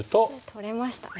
取れましたね。